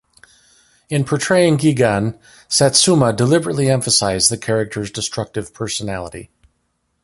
In portraying Gigan, Satsuma deliberately emphasized the character's destructive personality.